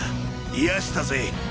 いやしたぜ。